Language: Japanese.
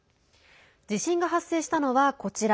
地震が発生したのは、こちら。